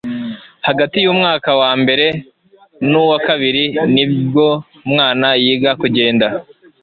Hagati y'umwaka wa mbere nuwa kabiri nibwo umwana yiga kugenda